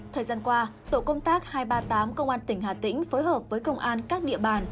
thời gian qua tổ công tác hai trăm ba mươi tám công an tỉnh hà tĩnh phối hợp với công an các địa bàn